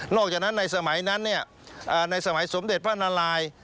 อกจากนั้นในสมัยนั้นในสมัยสมเด็จพระนาราย